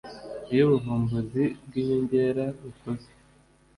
Iyo ubuvumbuzi bwinyongera bukozwe